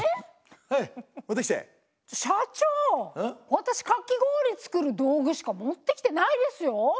私かき氷作る道具しか持ってきてないですよ！